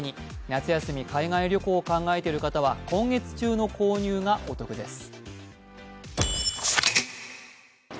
夏休みに海外旅行を考えている方は今月中の購入がお得です。